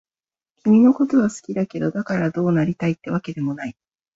君のことは好きだけど、だからどうなりたいってわけでもない。